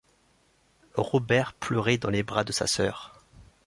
Robert pleurait dans les bras de sa sœur.